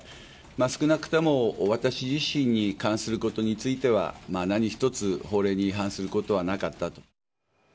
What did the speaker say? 少なくとも私自身に関することは、何一つ法令に違反することはなかったと。